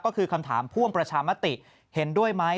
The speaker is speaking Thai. ก็คือคำถามพ่วงประชามติเห็นด้วยไหม